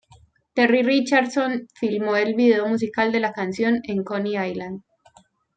Terry Richardson filmó el vídeo musical de la canción en Coney Island.